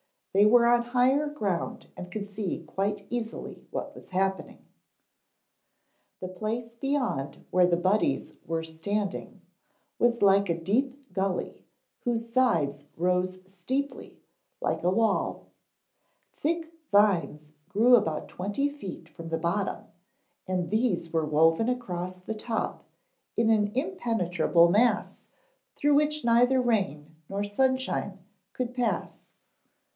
They were on higher ground and could see quite easily what was happening. The place beyond where the Buddies were standing was like a deep gully whose sides rose steeply, like a wall. Thick vines grew about twenty feet from the bottom and these were woven across the top in an impenetrable mass through which neither rain nor sunshine could pass.